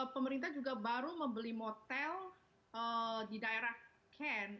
pemerintah juga baru membeli motel di daerah kent